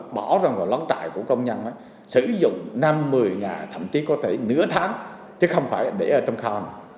bỏ ra vào lón trại của công nhân sử dụng năm một mươi ngày thậm chí có thể nửa tháng chứ không phải để ở trong kho